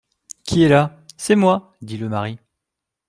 «Qui est là ?, C'est moi,» dit le mari.